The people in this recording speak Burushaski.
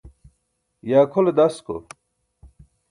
ye akʰole dasko?